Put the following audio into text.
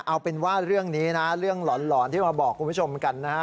เอาเป็นว่าเรื่องนี้นะเรื่องหลอนที่มาบอกคุณผู้ชมกันนะฮะ